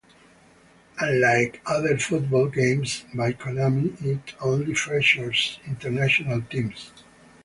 Unlike other football games by Konami it only features international teams.